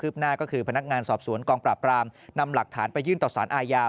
หน้าก็คือพนักงานสอบสวนกองปราบรามนำหลักฐานไปยื่นต่อสารอาญา